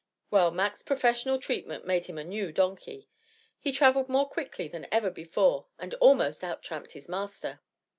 Well, Mac's professional treatment made him a new donkey. He traveled more quickly than ever before, and almost out tramped his master.